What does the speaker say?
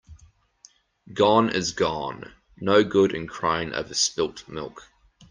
Gone is gone. No good in crying over spilt milk.